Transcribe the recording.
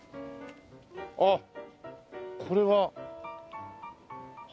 あっこれははあ。